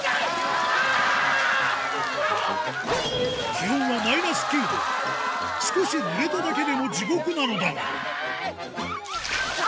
気温はマイナス９度少しぬれただけでも地獄なのだがキャ！